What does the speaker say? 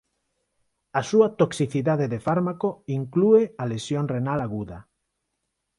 A súa toxicidade de fármaco inclúe a lesión renal aguda.